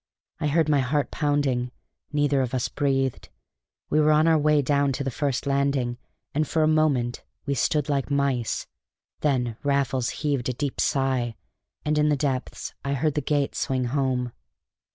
I heard my heart pounding. Neither of us breathed. We were on our way down to the first landing, and for a moment we stood like mice; then Raffles heaved a deep sigh, and in the depths I heard the gate swing home.